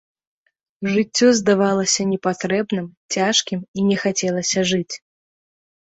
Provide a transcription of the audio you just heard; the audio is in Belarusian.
Жыццё здавалася непатрэбным, цяжкім, і не хацелася жыць.